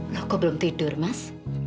loh kok belum tidur mas